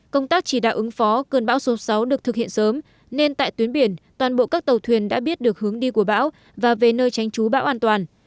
công tác chỉ đạo ứng phó cơn bão số sáu được thực hiện sớm nên tại tuyến biển toàn bộ các tàu thuyền đã biết được hướng đi của bão và về nơi tránh trú bão an toàn